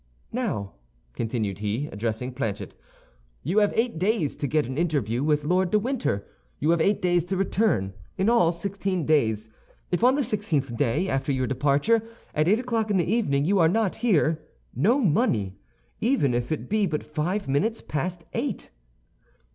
"Now," continued he, addressing Planchet, "you have eight days to get an interview with Lord de Winter; you have eight days to return—in all sixteen days. If, on the sixteenth day after your departure, at eight o'clock in the evening you are not here, no money—even if it be but five minutes past eight."